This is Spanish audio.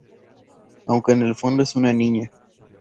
Aunque en el fondo es una niña.